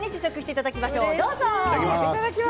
いただきます。